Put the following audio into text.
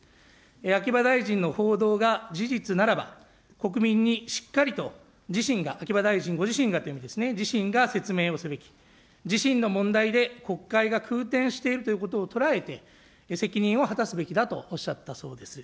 秋葉大臣の報道が事実ならば、国民にしっかりと自身が、秋葉大臣ご自身がという意味ですね、自身が説明をすべき、自身の問題で国会が空転しているということを捉え、責任を果たすべきだとおっしゃったそうます。